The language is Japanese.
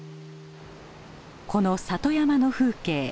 この里山の風景。